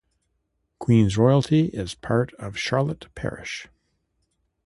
Queens Royalty is part of Charlotte Parish.